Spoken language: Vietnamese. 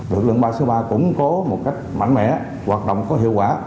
lực lượng ba trăm sáu mươi ba củng cố một cách mạnh mẽ hoạt động có hiệu quả